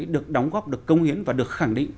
được đóng góp được công hiến và được khẳng định